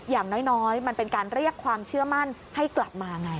อย่างน้อยมันเป็นการเรียกความเชื่อมั่นให้กลับมาไง